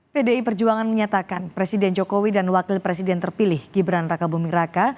pdi perjuangan menyatakan presiden jokowi dan wakil presiden terpilih gibran raka buming raka